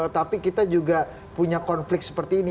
tapi kita juga punya konflik seperti ini